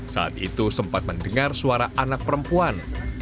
saat itu sempat mendengar suara anak perempuan